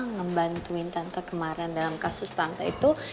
ngebantuin tante kemarin dalam kasus tanta itu